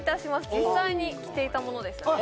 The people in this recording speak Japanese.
実際に着ていたものですよね